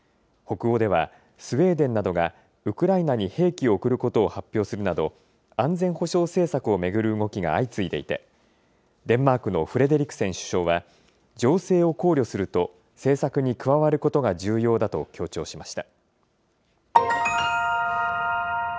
北欧では、スウェーデンなどが、ウクライナに兵器を送ることを発表するなど、安全保障政策を巡る動きが相次いでいて、デンマークのフレデリクセン首相は、情勢を考慮すると政策に加わることが重要だと強調しました。